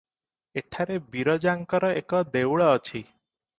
ଏଠାରେ ବିରଜାଙ୍କର ଏକ ଦେଉଳ ଅଛି ।